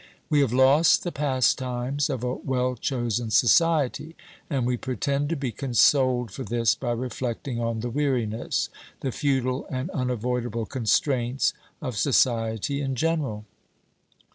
We have lost the pastimes of a well chosen society, and we pretend to be consoled for this by reflecting on the weariness, the futile and unavoidable constraints of society in general.